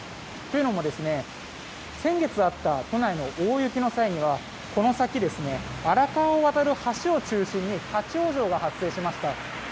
というのも、先月あった都内の大雪の際にはこの先、荒川を渡る橋を中心に立ち往生が発生しました。